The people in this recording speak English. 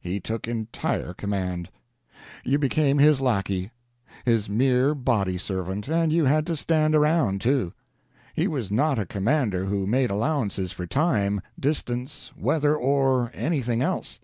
He took entire command. You became his lackey, his mere body servant, 64 Digitized by VjOOQ IC THE BABIES and you had to stand around too. He was not a commander who made allowances for time, dis tance, weather, or anything else.